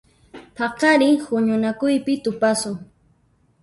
Paqarin huñunakuypi tupasun.